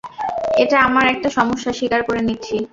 এটা আমার একটা সমস্যা, স্বীকার করে নিচ্ছি।